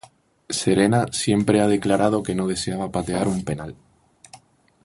Serena siempre ha declarado que no deseaba patear un penal.